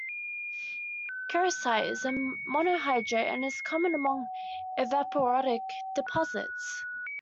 Kieserite is a monohydrate and is common among evaporitic deposits.